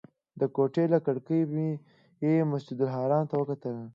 د کوټې له کړکۍ مې مسجدالحرام ته وکتل.